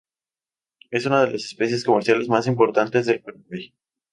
Es una de las especies comerciales más importantes del Paraguay.